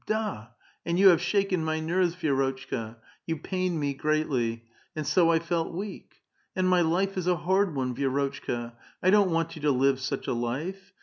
Da! and you have shaken my nerves, Vi^rotchka ; you pained me greatly ; and so I felt weak. And my life is a hard one, Vi^rotchka ! I don't want you to live such a life.